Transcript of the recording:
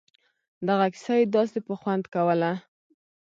دغه کيسه يې داسې په خوند کوله.